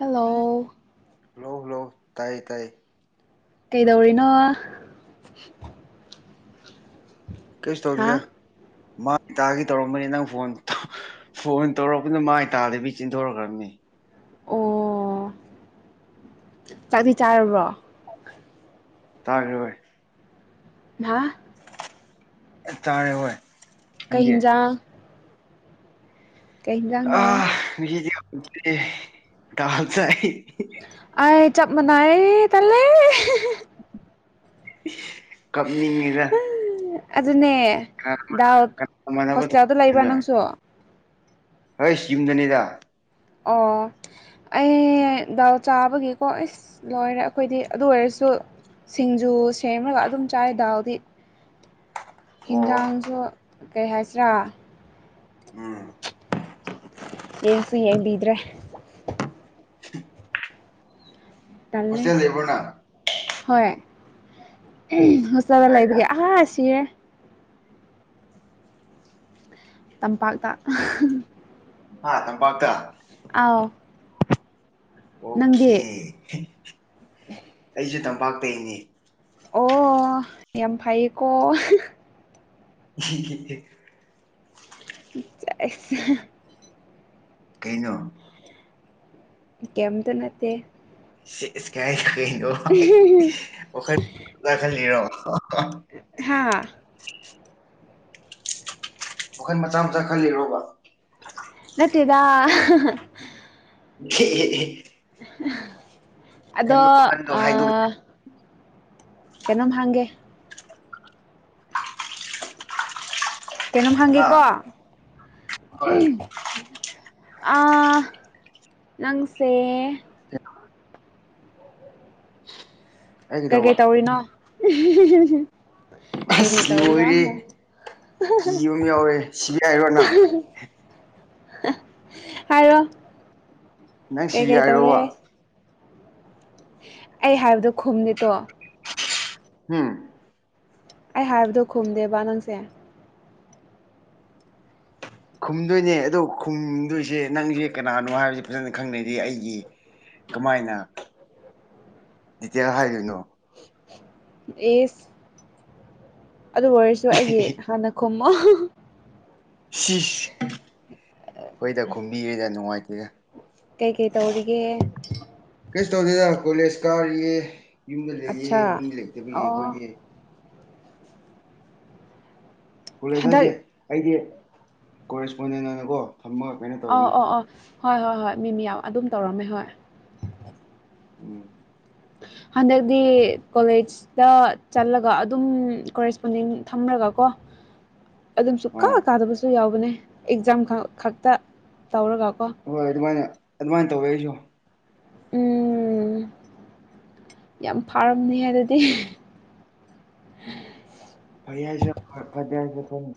hello hello hello ꯇꯥꯢ ꯇꯥꯢꯌꯦ ꯀꯩꯗꯧꯔꯤꯅꯣ ꯀꯩꯁ ꯍꯥ ꯇꯧꯗꯦꯗ ꯃꯥ ꯇꯥꯒꯤ ꯇꯧꯔꯝꯕꯅꯤ ꯅꯪ ꯐꯣꯟ ꯐꯣꯟ ꯇꯧꯔꯛꯄꯅ ꯃꯥꯏ ꯇꯥꯗꯕꯤ ꯆꯦꯟꯊꯣꯔꯛꯈ꯭ꯔꯕꯅꯤ ꯑꯣ ꯆꯥꯛꯗꯤ ꯆꯥꯔꯕꯣ ꯆꯥꯔꯦ ꯍꯣꯢ ꯍꯥ [unintelligible] ꯆꯥꯔꯦ ꯍꯣꯏ ꯀꯩ ꯅꯪꯗꯤ ꯍꯤꯟꯖꯥꯡ ꯀꯩ ꯍꯤꯟꯖꯥꯡꯅꯣ ꯑꯥ ꯉꯁꯤꯗꯤ [inaudible] ꯗꯥꯜ ꯆꯥꯏ ꯑꯥꯢ ꯆꯞ ꯃꯥꯏꯅꯩ ꯇꯜꯂꯦ [unintelligible] ꯀꯞꯅꯤꯡꯉꯤꯗ ꯑꯗꯨꯅꯦ ꯗꯥꯜ ꯃꯥꯟꯅꯕ ꯍꯣꯁꯇꯦꯜꯗ ꯂꯩꯕ꯭ꯔꯥ ꯊꯣꯛꯗꯨꯅ ꯅꯪꯁꯨ ꯍꯩꯁ ꯌꯨꯝꯗꯅꯦꯗ ꯑꯣ ꯑꯩ ꯗꯥꯜ ꯆꯥꯕꯒꯤꯀꯣ ꯑꯩꯁ ꯂꯣꯏꯔꯦ ꯑꯩꯈꯣꯏꯗꯤ ꯑꯗꯨ ꯑꯣꯏꯔꯁꯨ ꯁꯤꯡꯖꯨ ꯁꯦꯝꯔꯒ ꯑꯗꯨꯝ ꯆꯥꯏ ꯗꯥꯜꯗꯤ ꯑꯣ ꯍꯤꯟꯖꯥꯡꯁꯨ ꯀꯩ ꯍꯥꯏꯁꯤꯔꯥ ꯎꯝ ꯌꯦꯡꯁꯨ ꯌꯦꯡꯕꯤꯗ꯭ꯔꯦ ꯇꯜꯂꯦ ꯍꯣꯁꯇꯦꯜ ꯂꯩꯕ꯭ꯔꯣ ꯅꯪ ꯍꯣꯢ [unintelligible] ꯆꯥꯔ ꯀꯥꯏꯗ ꯂꯩꯕꯒꯤ ꯑꯥ ꯁꯤꯔꯦ ꯇꯝꯄꯥꯛꯇ [unintelligible] ꯍꯥ ꯇꯝꯄꯥꯛꯇ ꯑꯥꯎ ꯅꯪꯗꯤ ꯑꯣꯈꯦ ꯑꯩꯁꯨ ꯇꯝꯄꯥꯛꯇꯩꯅꯤ ꯑꯣ ꯌꯥꯝ ꯐꯩꯀꯣ [unintelligible] [unintelligible] ꯀꯩꯅꯣ ꯀꯦꯝꯇ ꯅꯠꯇꯦ ꯁꯤꯁ ꯀꯥꯏ ꯍꯥꯏꯗꯣ ꯀꯩꯅꯣ [inaudible] ꯈꯜꯂꯤꯔꯣ ꯍꯥꯥ ꯋꯥꯈꯟ ꯃꯆꯥ ꯃꯆꯥ ꯈꯜꯂꯤꯔꯣꯕ ꯅꯠꯇꯦꯗ [unintelligible] [unintelligible] ꯑꯗꯣ ꯈꯟꯕ ꯋꯥꯈꯟꯗꯣ ꯍꯥꯏꯗꯣꯛ ꯑꯥ ꯀꯩꯅꯣꯝ ꯍꯪꯒꯦ ꯀꯩꯅꯣꯝ ꯍꯥ ꯍꯪꯒꯦꯀꯣ ꯍꯣꯏ ꯑꯥ ꯅꯪꯁꯦ [inaudible] [inaudible] ꯀꯩꯀꯩ ꯇꯧꯔꯤꯅꯣ [unintelligible] ꯀꯩꯀꯩ ꯑꯁ ꯇꯧꯔꯤꯅꯣ ꯂꯣꯏꯔꯦ ꯀꯤꯕ ꯑꯃ ꯌꯥꯎꯔꯦ ꯁꯤ ꯍꯥꯏꯔꯣ ꯅꯪ ꯍꯥꯢꯔꯣ ꯅꯪ ꯁꯤꯒꯦ ꯌꯥꯏꯔꯣꯕ ꯑꯩ ꯍꯥꯏꯕꯗꯣ ꯈꯨꯝꯗꯦ ꯇꯣ ꯍꯨꯝ ꯑꯩ ꯍꯥꯏꯕꯗꯣ ꯈꯨꯝꯗꯦꯕ ꯅꯪꯁꯦ ꯈꯨꯝꯗꯣꯏꯅꯦ ꯑꯗꯣ ꯈꯨꯝꯗꯣꯏꯁꯦ ꯅꯪꯁꯦ ꯀꯅꯥꯅꯣ ꯍꯥꯏꯕꯕꯁꯤ ꯐꯖꯅ ꯈꯪꯗꯔꯤ ꯑꯩꯒꯤ ꯀꯃꯥꯏꯅ ꯗꯤꯇꯦꯜ ꯍꯥꯏꯗꯣꯏꯅꯣ ꯏꯁ ꯑꯗꯨ ꯑꯣꯏꯔꯁꯨ ꯑꯩꯒꯤ ꯍꯥꯟꯅ ꯈꯨꯝꯃꯣ ꯁꯤꯁ ꯍꯣꯏꯗ ꯈꯣꯕꯤꯒꯦꯗ ꯅꯨꯡꯉꯥꯏꯇꯦꯗ ꯀꯩ ꯀꯩ ꯇꯧꯔꯤꯒꯦ ꯀꯩꯁꯨ ꯇꯧꯗꯦꯗ ꯀꯣꯂꯦꯖ ꯀꯥꯔꯤꯌꯦ ꯌꯨꯝꯗ ꯂꯩꯌꯦ ꯑꯠꯆꯥ ꯃꯤ ꯂꯩꯇꯕꯒꯤ ꯑꯣ ꯑꯩꯈꯣꯏꯒꯤ ꯀꯣꯂꯦꯖ ꯍꯟꯗꯛ ꯍꯥꯏꯁꯦ ꯑꯩꯗꯤ ꯀꯣꯔꯦꯁꯄꯣꯟꯗꯦꯟ ꯑꯣꯏꯅꯀꯣ ꯊꯝꯕ ꯉꯥꯛꯇꯅꯦ ꯑꯧ ꯑꯧ ꯑꯧ ꯍꯣꯏ ꯍꯣꯏ ꯍꯣꯏ ꯃꯤ ꯃꯌꯥꯝ ꯑꯗꯨꯝ ꯇꯧꯔꯝꯃꯦ ꯍꯣꯏ ꯎꯝ ꯍꯟꯗꯛꯗꯤ ꯀꯣꯂꯦꯖ ꯇꯥ ꯆꯠꯂꯒ ꯑꯗꯨꯝ ꯀꯣꯔꯦꯁꯄꯣꯟꯗꯤꯡ ꯊꯝꯃꯔꯒ ꯀꯣ ꯑꯗꯨꯝ ꯁꯨ ꯀꯥ ꯑꯥ ꯀꯥꯗꯕꯁꯨ ꯌꯥꯎꯕꯅꯦ ꯑꯦꯛꯖꯥꯝ ꯈꯛꯇ ꯇꯧꯔꯒꯀꯣ ꯍꯣꯏ ꯑꯗꯨꯃꯥꯏꯅ ꯑꯗꯨꯃꯥꯏꯅ ꯇꯧꯋꯦ ꯑꯩꯁꯨ ꯎꯝ ꯌꯥꯝ ꯐꯥꯔꯝꯅꯤꯍꯦ ꯑꯗꯨꯗꯤ ꯐꯩ ꯍꯥꯏꯁꯤꯔ ꯐꯗꯤ ꯍꯥꯏꯁꯤꯔ ꯈꯪꯗꯦ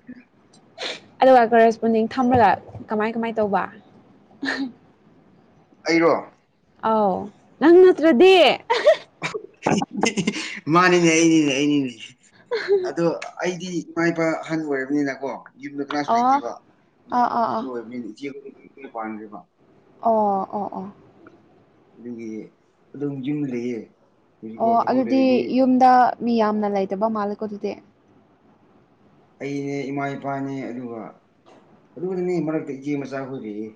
ꯑꯗꯨꯒ ꯀꯣꯔꯦꯁꯄꯨꯟꯗꯤꯡ ꯊꯝꯂꯒ ꯀꯃꯥꯏ ꯀꯃꯥꯏ ꯇꯧꯕ ꯑꯩꯔꯣ ꯑꯥꯎ ꯅꯪ ꯅꯠꯇ꯭ꯔꯗꯤ ꯃꯥꯅꯤꯅꯦ ꯑꯩꯅꯤꯅꯦ ꯑꯩꯅꯤꯅꯦ ꯑꯗꯣ ꯑꯩꯗꯤ ꯏꯃꯥ ꯏꯄꯥ ꯑꯍꯜ ꯑꯣꯏꯔꯕꯅꯤꯅ ꯀꯣ ꯌꯨꯝꯗ ꯀꯅꯥꯁꯨ ꯑꯣ ꯂꯩꯇꯦꯕ ꯑꯥ ꯑꯥ ꯑꯗꯨ ꯑꯥ ꯑꯣꯏꯕꯒꯤ ꯏꯆꯦ ꯀꯩ ꯀꯩ ꯄꯥꯟꯒꯔꯦꯕ ꯑꯣ ꯑꯣ ꯑꯣ ꯑꯗꯨꯒꯤ ꯑꯗꯨꯝ ꯌꯨꯝ ꯂꯩꯌꯦ ꯑꯣ ꯍꯧꯖꯤꯛꯀꯣ ꯊꯕꯛ ꯑꯗꯨꯗꯤ ꯂꯩꯔꯗꯤ ꯌꯨꯝꯗ ꯃꯤ ꯌꯥꯝꯅ ꯂꯩꯇꯕ ꯃꯥꯜꯂꯦꯀꯣ ꯑꯗꯨꯗꯤ ꯑꯩꯅꯦ ꯏꯃꯥ ꯏꯄꯥꯅꯦ ꯑꯗꯨꯒ ꯑꯗꯨꯈꯇꯅꯦ ꯃꯔꯛꯇ ꯏꯆꯦ ꯃꯆꯥ ꯍꯣꯏ ꯂꯩꯌꯦ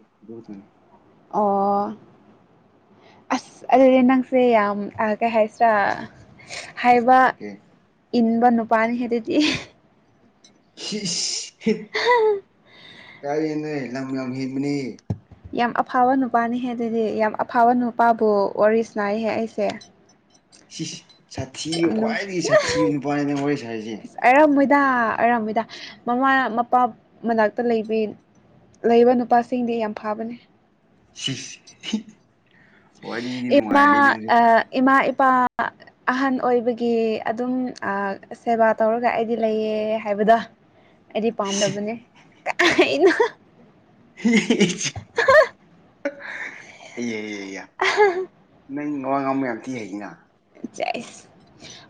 ꯑꯣ ꯑꯁ ꯑꯗꯨꯗꯤ ꯅꯪꯁꯦ ꯌꯥꯝ ꯑꯥ ꯀꯩ ꯍꯥꯏꯁꯤꯔꯥ ꯍꯥꯏꯕ ꯑꯣꯀꯦ ꯏꯟꯕ ꯅꯨꯄꯥꯅꯤ ꯍꯦ ꯑꯗꯨꯗꯤ ꯁꯤꯁ ꯀꯥꯏꯗꯅꯣꯍꯦ ꯂꯝ ꯌꯥꯝ ꯍꯦꯟꯕꯅꯦ ꯌꯥꯝ ꯑꯐꯕ ꯅꯨꯄꯥꯅꯤꯍꯦ ꯑꯗꯨꯗꯤ ꯌꯥꯝ ꯑꯐꯥꯎꯕ ꯅꯨꯄꯥꯕꯨ ꯋꯥꯔꯤ ꯁꯅꯥꯍꯦ ꯑꯩꯁꯦ ꯁꯤꯁ ꯁꯥꯊꯤꯕ ꯌꯥꯝ ꯅꯨꯡ ꯈ꯭ꯋꯥꯏꯗꯒꯤ ꯁꯥꯊꯤꯕ ꯅꯨꯄꯥꯅꯤꯅꯦ ꯋꯥꯔꯤ ꯁꯥꯔꯤꯁꯦ ꯑꯣꯢꯔꯝꯃꯣꯏꯗ ꯑꯣꯢꯔꯝꯃꯣꯏꯗ ꯃꯃꯥ ꯃꯄꯥ ꯃꯅꯥꯛꯇ ꯂꯩꯕꯩ ꯂꯩꯕ ꯅꯨꯄꯥꯁꯤꯡꯗꯤ ꯌꯥꯝ ꯐꯥꯕꯅꯦ ꯁꯤꯁ ꯋꯥꯔꯤꯗꯤ ꯅꯨꯡꯉꯥꯏꯔꯦ ꯏꯃꯥ ꯅꯪꯖꯨ ꯑꯥ ꯏꯃꯥ ꯏꯄꯥ ꯑꯍꯟ ꯑꯣꯏꯕꯒꯤ ꯑꯗꯨꯝ ꯁꯦꯕꯥ ꯇꯧꯔꯒ ꯑꯩꯗꯤ ꯂꯩꯌꯦ ꯍꯥꯏꯕꯗꯣ ꯑꯩꯗꯤ ꯄꯥꯝꯗꯕꯅꯦ ꯀꯩꯅꯣ [unintelligible] ꯑꯌꯥ ꯅꯪ ꯋꯥ ꯉꯥꯡꯕ ꯌꯥꯝ ꯊꯤ ꯍꯩꯅꯥ ꯆꯩꯁ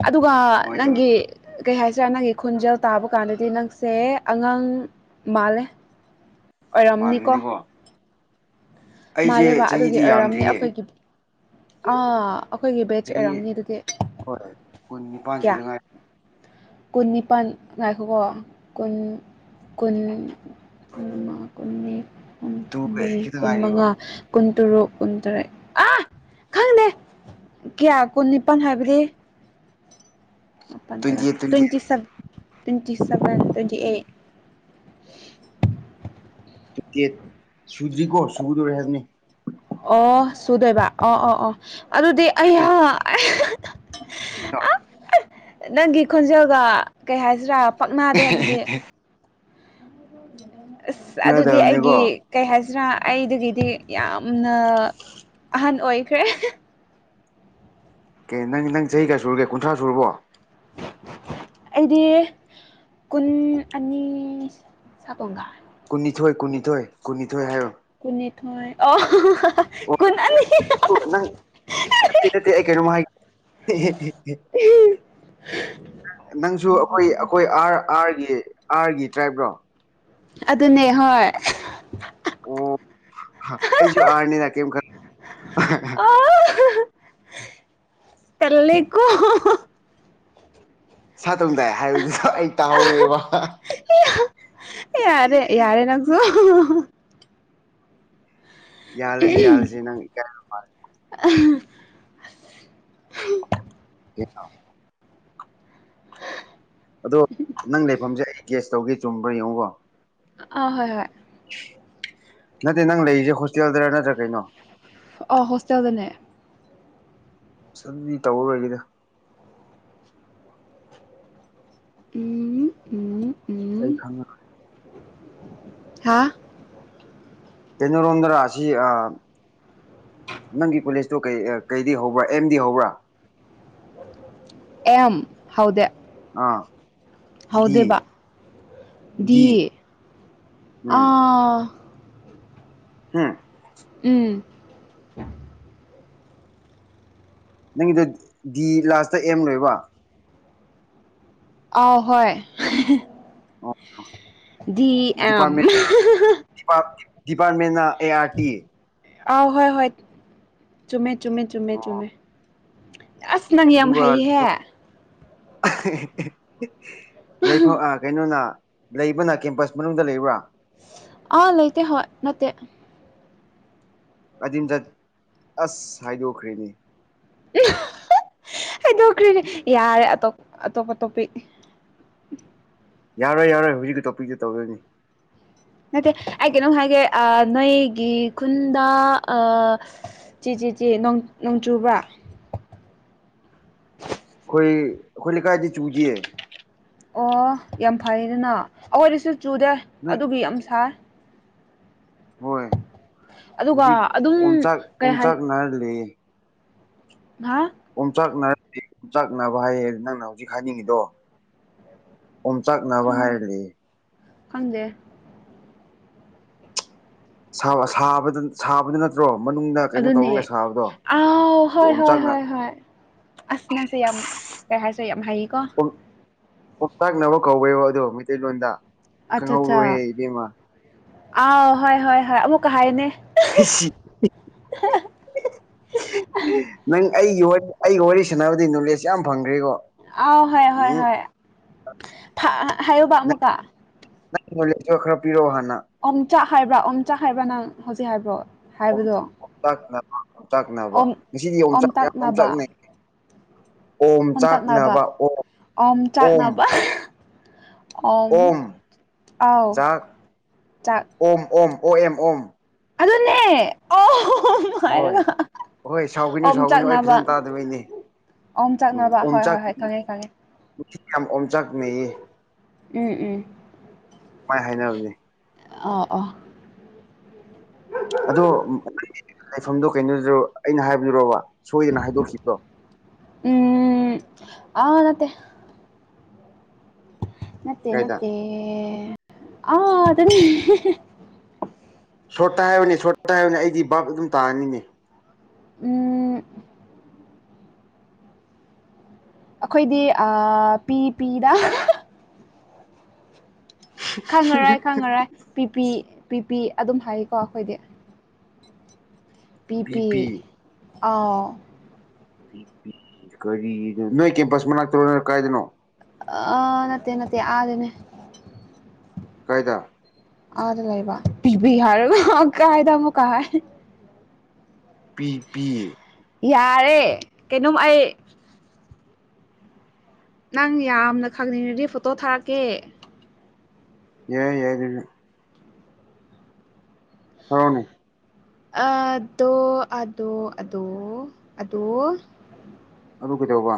ꯑꯗꯨꯒ ꯀꯃꯥꯏꯅ ꯅꯪꯒꯤ ꯇꯧꯔꯤꯅꯣ ꯀꯩ ꯍꯥꯏꯁꯤꯔꯥ ꯅꯪꯒꯤ ꯈꯣꯟꯖꯦꯜ ꯇꯥꯕ ꯀꯥꯟꯗꯗꯤ ꯅꯪꯁꯦ ꯑꯉꯥꯡ ꯃꯥꯜꯂꯦ ꯑꯣꯏꯔꯝꯅꯤꯀꯣ ꯃꯥꯟꯃꯅꯤꯀꯣ ꯃꯥꯂꯦꯕ ꯑꯗꯨꯒꯤ ꯆꯍꯤꯗꯤ ꯑꯣꯏꯔꯝꯅꯤ ꯌꯥꯝꯗ꯭ꯔꯤꯌꯦ ꯑꯩꯈꯣꯏꯒꯤ ꯑꯥ ꯑꯩꯈꯣꯏꯒꯤ ꯕꯦꯖ ꯑꯣꯏꯔꯝꯅꯤ ꯆꯍꯤ ꯑꯗꯨꯗꯤ ꯍꯣꯏ ꯀꯨꯟ ꯅꯤꯄꯥꯟ ꯀꯌꯥ ꯁꯨꯗ ꯉꯥꯏ ꯀꯨꯟ ꯅꯤꯄꯥꯟ ꯉꯥꯏꯈꯣꯀꯣ ꯀꯨꯟ ꯀꯨꯟ ꯀꯨꯟꯃꯥ ꯀꯨꯟ ꯃꯔꯤ ꯇꯨꯒ ꯀꯨꯟꯃꯔꯤ ꯈꯤꯇ ꯀꯨꯟ ꯉꯥꯏꯔꯤꯕ ꯃꯉꯥ ꯀꯨꯟ ꯇꯔꯨꯛ ꯀꯨꯟ ꯇꯔꯦꯠ ꯑꯥ ꯈꯪꯗꯦ ꯀꯌꯥ ꯀꯨꯟ ꯅꯤꯄꯥꯟ ꯍꯥꯏꯕꯗꯤ ꯃꯥꯄꯥꯟ ꯇ꯭ꯋꯦꯟꯇꯤ ꯇꯔꯥ ꯑꯩꯠ ꯇ꯭ꯋꯦꯟꯇꯤ ꯑꯩꯠ ꯁꯞ twenty seven twenty eight ticket ꯁꯨꯗꯔꯤꯀꯣ ꯁꯨꯒꯗꯧꯔꯦ ꯍꯥꯏꯕꯅꯦ ꯑꯣ ꯁꯨꯗꯣꯏꯕ ꯑꯣ ꯑꯣ ꯑꯣ ꯑꯗꯨꯗꯤ ꯑꯩ [unintelligible] ꯑꯥ ꯅꯪꯒꯤ ꯈꯣꯟꯖꯦꯜꯒ ꯀꯩ ꯍꯥꯏꯁꯤꯔꯥ ꯄꯛꯅꯗꯦ ꯑꯗꯨꯗꯤ ꯑꯁ ꯑꯗꯨꯗꯤ ꯑꯩꯒꯤ ꯈꯪꯅꯗꯕꯅꯤꯀꯣ ꯀꯩ ꯍꯥꯏꯁꯤꯔꯥ ꯑꯩꯗꯨꯒꯤꯗꯤ ꯌꯥꯝꯅ ꯑꯍꯟ ꯑꯣꯏꯈ꯭ꯔꯦ ꯀꯦ ꯅꯪ ꯅꯪ ꯆꯍꯤ ꯀꯌꯥ ꯁꯨꯔꯒꯦ ꯀꯨꯟꯊ꯭ꯔꯥ ꯁꯨꯔꯕꯣ ꯑꯩꯗꯤ ꯀꯨꯟ ꯑꯅꯤ [unintelligible] ꯀꯨꯟꯅꯤꯊꯣꯏ ꯀꯨꯟꯅꯤꯊꯣꯏ ꯀꯨꯟꯅꯤꯊꯣꯏ ꯍꯥꯏꯔꯣ ꯀꯨꯟꯅꯤꯊꯣꯏ ꯑꯣ ꯍꯣ ꯍꯣ ꯍꯥꯍꯥ ꯑꯣ ꯀꯨꯟ ꯑꯅꯤ ꯅꯪ ꯅꯠꯇꯦ ꯅꯠꯇꯦ ꯑꯩ ꯀꯩꯅꯣꯝ ꯍꯥꯏ ꯑꯦ ꯍꯦ ꯍꯦ ꯍꯦ ꯅꯪꯁꯨ ꯑꯩꯈꯣꯏ ꯑꯩꯈꯣꯏ ꯑꯥꯔ ꯑꯥꯔꯒꯤ ꯑꯥꯔꯒꯤ ꯇ꯭ꯔꯥꯏꯞ ꯔꯣ ꯑꯗꯨꯅꯦ ꯍꯣꯏ ꯑꯣ ꯑꯩꯁꯨ ꯑꯥꯔꯅꯤꯗ ꯀꯦꯝ ꯈꯟ ꯑꯥ ꯍꯥ ꯍꯥ ꯇꯜꯂꯦ ꯀꯣ ꯁꯥ ꯇꯝꯗꯥꯏ ꯍꯥꯏꯕꯗꯨ ꯑꯩ ꯇꯥꯍꯧꯋꯦꯕ ꯌꯥꯔꯦ ꯌꯥꯔꯦ ꯅꯪꯁꯨ ꯌꯥꯍꯜꯂꯁꯦ ꯌꯥꯍꯜꯂꯁꯤ ꯅꯪ [unintelligible] ꯑꯥ ꯍꯥ [unintelligible] ꯑꯗꯣ ꯅꯪ ꯂꯩꯐꯝꯁꯦ ꯑꯩ ꯒꯦꯁ ꯇꯧꯒꯦ ꯆꯨꯝꯕ꯭ꯔꯥ ꯌꯦꯡꯉꯨꯀꯣ ꯑꯥ ꯍꯣꯏ ꯍꯣꯏ ꯅꯠꯇꯦ ꯅꯪ ꯂꯩꯔꯤꯁꯦ ꯍꯣꯁꯇꯦꯜꯗꯔ ꯅꯠꯇ꯭ꯔꯥ ꯀꯩꯅꯣ ꯑꯥ ꯍꯣꯁꯇꯦꯜꯗꯅꯦ ꯑꯁ ꯑꯗꯨꯗꯤ ꯇꯧꯔꯔꯣꯏꯒꯦꯗ ꯎꯝ ꯎꯝ ꯑꯩ ꯎꯝ ꯈꯪꯉꯦ ꯍꯥꯥ ꯀꯩꯅꯣꯔꯣꯝꯗꯔꯣ ꯑꯁꯤ ꯑꯥ ꯅꯪꯒꯤ ꯀꯣꯂꯦꯖꯇꯨ ꯀꯩ ꯀꯩꯗꯒꯤ ꯍꯧꯕ꯭ꯔꯥ ꯑꯦꯝꯗꯒꯤ ꯍꯧꯕ꯭ꯔꯥ [inaudible] ꯑꯦꯝ ꯍꯧꯗꯦ ꯑꯥ ꯗꯤ ꯍꯧꯗꯦꯕ ꯗꯤ ꯎꯝ ꯑꯥ ꯍꯨꯝ ꯎꯝ ꯅꯪꯒꯤꯗꯣ ꯗꯤ ꯂꯥꯁꯇ ꯑꯦꯝ ꯂꯣꯏꯕ ꯑ ꯍꯣꯏ ꯑꯣ ꯗꯤ ꯑꯦꯝ ꯗꯤꯄꯥ ꯗꯤꯄꯥꯔꯃꯦꯟꯅ ꯑꯦ ꯑꯥꯔ ꯇꯤ ꯑꯥꯎ ꯍꯣꯏ ꯍꯣꯏ ꯆꯨꯝꯃꯦ ꯆꯨꯝꯃꯦ ꯆꯨꯝꯃꯦ ꯑꯣ ꯆꯨꯝꯃꯦ ꯑꯁ ꯅꯪ ꯌꯥꯝ ꯑꯗꯨꯒ ꯍꯩꯍꯦ [unintelligible] ꯂꯩꯐꯝ ꯑ ꯀꯩꯅꯣꯅ ꯂꯩꯕꯅ ꯀꯦꯝꯄꯁ ꯃꯅꯨꯡꯗ ꯂꯩꯕ꯭ꯔꯥ ꯑꯥ ꯂꯩꯇꯦ ꯍꯣꯏ ꯅꯠꯇꯦ ꯀꯗꯤꯝꯖꯠ ꯑꯁ ꯍꯥꯏꯗꯣꯛꯈ꯭ꯔꯦꯅꯦ [unintelligible] ꯍꯥꯏꯗꯣꯛꯈ꯭ꯔꯤꯅꯦ ꯌꯥꯔꯦ ꯑꯇꯣꯞ ꯑꯇꯣꯞꯄ ꯇꯣꯞꯄꯤꯛ ꯌꯥꯔꯣꯏ ꯌꯥꯔꯣꯏ ꯍꯧꯖꯤꯛꯀꯤ ꯇꯣꯄꯤꯛꯇꯨ ꯇꯧꯗꯣꯏꯅꯤ ꯅꯠꯇꯦ ꯑꯩ ꯀꯩꯅꯣꯝ ꯍꯥꯏꯒꯦ ꯑ ꯅꯣꯏꯒꯤ ꯈꯨꯟꯗ ꯑ ꯆꯤ ꯆꯤ ꯆꯤ ꯅꯣꯡ ꯅꯣꯡ ꯆꯨꯕ꯭ꯔꯥ ꯑꯩꯈꯣꯏ ꯑꯩꯈꯣꯏ ꯂꯩꯀꯥꯏꯗꯤ ꯆꯨꯖꯤꯌꯦ ꯑꯣ ꯌꯥꯝ ꯐꯩꯗꯅ ꯑꯩꯈꯣꯏꯗꯤꯁꯨ ꯆꯨꯗꯦ ꯅꯣꯏ ꯑꯗꯨꯒꯤ ꯌꯥꯝ ꯁꯥꯏ ꯍꯣꯏ ꯍꯧꯖꯤꯛ ꯑꯗꯨꯒ ꯑꯗꯨꯝ ꯎꯟꯆꯥꯛ ꯀꯩ ꯍꯥꯏ ꯎꯟꯆꯥꯛ ꯅꯥꯔ ꯂꯩꯌꯦ ꯉꯍꯥ ꯑꯣꯝꯆꯥꯛꯅꯔꯗꯤ ꯄꯣꯆꯥꯛꯅꯕ ꯍꯥꯏꯌꯦ ꯅꯪꯅ ꯍꯧꯖꯤꯛ ꯍꯥꯏꯅꯤꯡꯉꯤꯗꯣ ꯑꯣꯝꯆꯥꯛꯅꯕ ꯍꯥꯏꯔꯒ ꯂꯩꯌꯦ ꯈꯪꯗꯦ ꯁꯥꯎ ꯁꯥꯕꯗ ꯁꯥꯕꯗꯨ ꯅꯠꯇ꯭ꯔꯣ ꯃꯅꯨꯡꯗ ꯀꯩꯅꯣ ꯑꯗꯨꯅꯦ ꯇꯧꯔꯒ ꯁꯥꯕꯗꯣ ꯑꯥꯎ ꯑꯗꯨ ꯍꯣꯏ ꯍꯣꯏ ꯑꯣꯝꯆꯥꯛꯅ ꯍꯣꯏ ꯍꯣꯏ ꯑꯁ ꯅꯪꯁꯦ ꯌꯥꯝ ꯀꯩ ꯍꯥꯏꯁꯤꯔ ꯌꯥꯝ ꯍꯩꯌꯦꯀꯣ ꯑꯣꯝ ꯑꯣꯝꯆꯥꯛꯅꯕ ꯀꯧꯋꯦꯕ ꯑꯗꯣ ꯃꯩꯇꯩꯂꯣꯟꯗ ꯑꯠꯆꯥ ꯆꯥ ꯈꯪꯍꯧꯔꯣꯍꯦ ꯏꯕꯦꯝꯃ ꯑꯥꯎ ꯍꯣꯏ ꯍꯣꯏ ꯍꯣꯏ ꯑꯃꯨꯛꯀ ꯍꯥꯏꯌꯣꯅꯦ ꯍꯁꯤ [unintelligible] ꯅꯪ ꯑꯩꯒꯤ ꯑꯩꯒ ꯋꯥꯔꯤ ꯁꯥꯟꯅꯕꯗꯤ ꯅꯣꯂꯦꯖ ꯌꯥꯝ ꯐꯪꯈ꯭ꯔꯦꯀꯣ ꯑꯥꯎ ꯍꯣꯏ ꯍꯣꯏ ꯎꯝ ꯍꯣꯏ ꯐ ꯍꯥꯏꯌꯣꯕ ꯑꯃꯨꯛꯀ ꯅꯪ ꯅꯣꯂꯦꯖꯇꯣ ꯈꯔ ꯄꯤꯔꯣ ꯍꯥꯟꯅ ꯑꯣꯝꯆꯥꯛ ꯍꯥꯏꯕ꯭ꯔꯥ ꯑꯣꯝꯆꯥꯛ ꯍꯥꯏꯕ꯭ꯔꯥ ꯅꯪ ꯍꯧꯖꯤꯛ ꯍꯥꯏꯕ꯭ꯔꯣ ꯍꯥꯏꯕꯗꯣ ꯑꯣꯝꯆꯥꯛꯅꯕ ꯑꯣꯝꯆꯥꯛꯅꯕ ꯑꯣꯝ ꯉꯁꯤꯗꯤ ꯌꯣꯆꯥꯛ ꯌꯥꯝ ꯑꯣꯝꯇꯛꯅꯕ ꯑꯣꯝꯆꯥꯛꯅꯩ ꯑꯣꯝꯇꯛꯅꯕ ꯑꯣꯝꯆꯥꯛꯅꯕ ꯑꯣꯝ ꯑꯣꯝ ꯑꯣꯝ ꯑꯥꯎ ꯆꯥꯛ ꯆꯥꯛ ꯑꯣꯝ ꯑꯣꯝ ꯑꯣ ꯑꯦꯝ ꯑꯣꯝ ꯑꯗꯨꯅꯦ ꯑꯣ ꯑꯣꯝ ꯍꯣꯏ ꯍꯥꯏꯔꯒ ꯍꯣꯏ ꯁꯥꯎꯒꯅꯨ ꯁꯥꯎꯒꯅꯨ ꯑꯩ ꯑꯣꯝꯆꯥꯛꯅꯕ ꯐꯖꯅ ꯇꯥꯗꯕꯩꯅꯦ ꯎꯝ ꯑꯣꯝꯆꯥꯛꯅꯕ ꯍꯣꯏ ꯑꯣꯝꯆꯥꯛ ꯍꯣꯏ ꯍꯣꯏ ꯈꯪꯉꯦ ꯈꯪꯉꯦ ꯌꯥꯝ ꯑꯣꯝꯆꯥꯛꯅꯩꯌꯦ ꯎꯝ ꯎꯝ ꯃꯥꯏ ꯍꯥꯏꯅꯕꯅꯦ ꯑꯥ ꯑꯣ [unintelligible] ꯑꯗꯣ [unintelligible] ꯂꯩꯐꯝꯗꯣ ꯀꯩꯅꯣꯗꯣ ꯑꯩꯅ ꯍꯥꯏꯕꯗꯨꯔꯣꯕ ꯁꯣꯏꯗꯅ ꯍꯥꯏꯗꯣꯛꯈꯤꯕꯗꯣ ꯎꯝ ꯑ ꯅꯠꯇꯦ ꯅꯠꯇꯦ ꯀꯥꯏꯗ ꯅꯠꯇꯦ ꯑ ꯑꯗꯅꯦ [unintelligible] ꯁꯣꯔꯠꯇ ꯍꯥꯏꯌꯨꯅꯦ ꯁꯣꯔꯠꯇ ꯍꯥꯏꯌꯨꯅꯦ ꯑꯩꯗꯤ ꯚꯥꯞ ꯑꯗꯨꯝ ꯇꯥꯒꯅꯤꯅꯦ ꯎꯝ ꯑꯩꯈꯣꯏꯗꯤ ꯑꯥ ꯄꯤ ꯄꯤꯗ ꯈꯪꯉꯔꯣꯏ ꯈꯪꯉꯔꯣꯏ ꯄꯤ ꯄꯤ ꯄꯤ ꯄꯤ ꯑꯗꯨꯝ ꯍꯥꯏꯌꯦꯀꯣ ꯑꯩꯈꯣꯏꯗꯤ ꯄꯤ ꯄꯤ ꯑꯥꯎ ꯄꯤ ꯄꯤ ꯀꯔꯤꯅꯣ ꯅꯣꯏ ꯀꯦꯝꯄꯁ ꯃꯅꯥꯛꯇꯔꯣ ꯅꯣꯏ ꯀꯥꯏꯗꯅꯣ ꯑꯥ ꯅꯠꯇꯦ ꯅꯠꯇꯦ ꯑꯥꯗꯅꯦ ꯀꯥꯏꯗ ꯑꯥꯗ ꯂꯩꯕ ꯄꯤ ꯄꯤ ꯍꯥꯏꯔꯒ ꯀꯥꯏꯗ ꯑꯃꯨꯛꯀ ꯍꯥꯏ ꯄꯤ ꯄꯤ ꯌꯥꯔꯦ ꯀꯩꯅꯣꯝ ꯑꯩ ꯅꯪ ꯌꯥꯝꯅ ꯈꯪꯅꯤꯡꯉꯔꯗꯤ ꯐꯣꯇꯣ ꯊꯥꯔꯛꯀꯦ ꯌꯥꯏ ꯌꯥꯏ ꯑꯗꯨꯁꯨ ꯊꯥꯔꯛꯑꯣꯅꯦ ꯑꯗꯣ ꯑꯗꯣ ꯑꯗꯣ ꯑꯗꯣ ꯑꯗꯨ ꯀꯩꯗꯧꯕ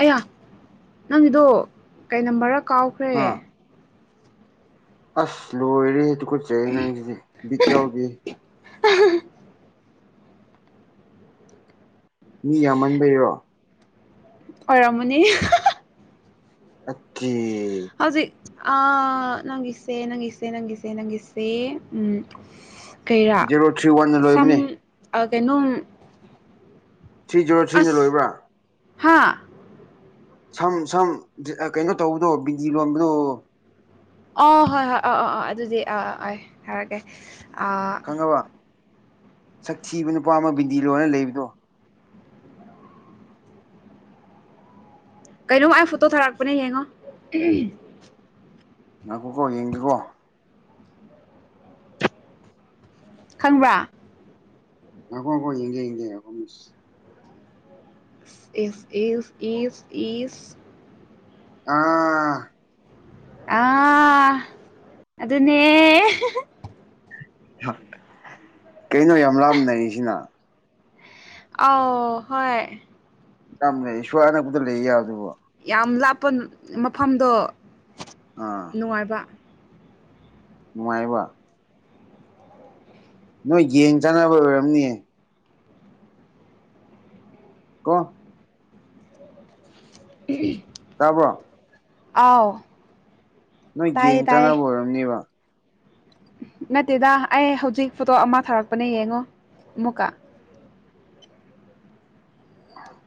ꯑꯌꯥ ꯅꯪꯒꯤꯗꯣ ꯀꯩ ꯅꯝꯕꯔꯔꯥ ꯀꯥꯎꯈ꯭ꯔꯦ ꯍꯥ ꯑꯁ ꯂꯣꯏꯔꯦꯍꯦ ꯇꯨꯀꯠꯆꯩꯍꯦ ꯅꯪꯖꯤꯗꯤ ꯕꯤꯠ ꯌꯥꯎꯗꯦꯍꯦ ꯃꯤ ꯌꯥꯝꯃꯟꯕꯩꯔꯣ ꯑꯣꯏꯔꯝꯃꯅꯤ ꯑꯠꯇꯦ ꯍꯧꯖꯤꯛ ꯑꯥ ꯅꯪꯒꯤꯁꯦ ꯅꯪꯒꯤꯁꯦ ꯅꯪꯒꯤꯁꯦ ꯅꯪꯒꯤꯁꯦ ꯎꯝ ꯀꯩꯔꯥ ꯖꯦꯔꯣ ꯊ꯭ꯔꯤ ꯋꯥꯟꯅ ꯁꯝ ꯂꯣꯏꯕꯅꯦ ꯑꯥ ꯀꯩꯅꯣꯝ ꯊ꯭ꯔꯤ ꯖꯤꯔꯣ ꯊ꯭ꯔꯤꯅ ꯂꯣꯏꯕ꯭ꯔꯥ ꯍꯥꯥ ꯁꯝ ꯁꯝ ꯗꯤ ꯀꯩꯅꯣ ꯇꯧꯕꯗꯣ ꯕꯤꯟꯗꯤ ꯂꯣꯟꯕꯗꯣ ꯑꯣ ꯍꯣꯏ ꯍꯣꯏ ꯑꯥ ꯑꯥ ꯑꯥ ꯑꯗꯨꯗꯤ ꯑꯥ ꯑꯥ ꯑꯩ ꯊꯥꯔꯀꯦ ꯈꯪꯉꯕ ꯁꯛ ꯊꯤꯕ ꯅꯨꯄꯥ ꯑꯃ ꯕꯤꯟꯗꯤ ꯂꯣꯜꯂ ꯂꯩꯕꯗꯣ ꯀꯩꯅꯣꯝ ꯑꯩ ꯐꯣꯇꯣ ꯊꯥꯔꯛꯄꯅꯦ ꯌꯦꯡꯉꯣ ꯉꯥꯏꯈꯣꯀꯣ ꯌꯦꯡꯒꯦꯀꯣ ꯈꯪꯕ꯭ꯔꯥ ꯉꯥꯏꯈꯣ ꯉꯥꯏꯈꯣ ꯌꯦꯡꯒꯦ ꯌꯦꯡꯒꯦ ꯉꯥꯏꯈꯣꯃꯤ ꯏꯐ ꯏꯐ ꯏꯐ ꯏꯐ ꯑꯥ ꯑꯥ ꯑꯗꯨꯅꯦ ꯀꯩꯅꯣ ꯌꯥꯝ ꯂꯥꯞꯅ ꯅꯩꯔꯤꯁꯤꯅ ꯑꯥꯎ ꯍꯣꯏ ꯌꯥꯝ ꯂꯩ ꯁ꯭ꯋꯥꯏ ꯑꯅꯛꯄꯗ ꯂꯩ ꯌꯥꯕꯗꯨꯕꯨ ꯌꯥꯝ ꯂꯥꯞꯄ ꯃꯐꯝꯗꯣ ꯑꯥ ꯅꯨꯡꯉꯥꯏꯕ ꯅꯨꯡꯉꯥꯏꯕ ꯅꯣꯏ ꯌꯦꯟ ꯆꯥꯅꯕ ꯑꯣꯏꯔꯝꯅꯤꯌꯦ ꯀꯣ ꯎꯝꯍꯨꯝ ꯇꯥꯕ꯭ꯔꯣ ꯑꯥꯎ ꯅꯣꯏ ꯇꯥꯏꯌꯦ ꯌꯦꯡ ꯇꯥꯏꯌꯦ ꯆꯥꯅꯕ ꯑꯣꯏꯔꯝꯅꯤꯕ ꯅꯠꯇꯦꯗ ꯑꯩ ꯍꯧꯖꯤꯛ ꯐꯣꯇꯣ ꯑꯃ ꯊꯥꯔꯛꯄꯅꯦ ꯌꯦꯡꯉꯣ ꯑꯃꯨꯛꯀ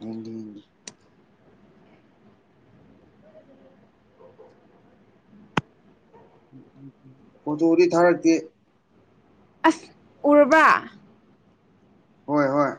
ꯌꯦꯡꯒꯤ ꯌꯦꯡꯒꯤ ꯐꯣꯇꯣꯗꯤ ꯊꯥꯔꯛꯇꯦ ꯑꯁ ꯎꯔꯕ ꯍꯣꯏ ꯍꯣꯏ